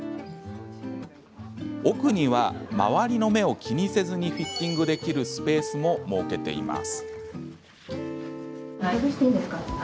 奥には周りの目を気にせずにフィッティングできるスペースも設けています。